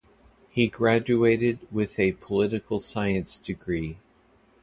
He graduated with a political science degree.